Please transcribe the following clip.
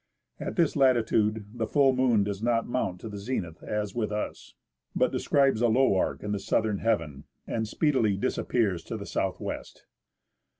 At this latitude the full moon does not mount to the zenith as with us, but describes a low arc in the southern heaven, and speedily disappears to the south west.